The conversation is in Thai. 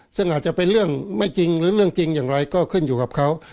ซึ่งอาจจะเป็นเรื่องไม่จริงหรือเรื่องจริงอย่างไรก็ขึ้นอยู่กับเขา